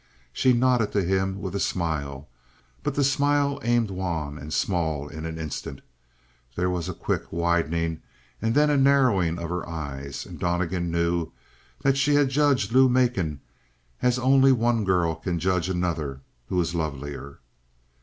She nodded to him with a smile, but the smile aimed wan and small in an instant. There was a quick widening and then a narrowing of her eyes, and Donnegan knew that she had judged Lou Macon as only one girl can judge another who is lovelier.